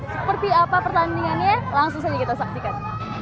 seperti apa pertandingannya langsung saja kita saksikan